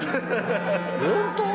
本当？